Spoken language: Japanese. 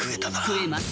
食えます。